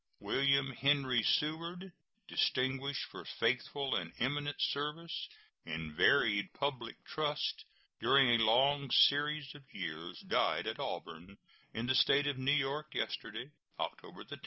William Henry Seward, distinguished for faithful and eminent service in varied public trusts during a long series of years, died at Auburn, in the State of New York, yesterday, October 10.